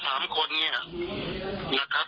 ทั้ง๓คนเนี่ยนะครับ